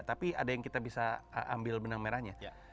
tapi ada yang kita bisa ambil benang merahnya